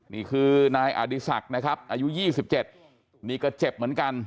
นี่คือนายอดีศักดิ์นะครับอายุ๒๗นี่ก็เจ็บเหมือนกัน